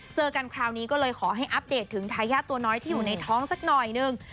เจอกันคราวนี้ก็เลยขอให้อัปเดตถึงทายาทตัวน้อยที่อยู่ในท้องสักหน่อยหนึ่ง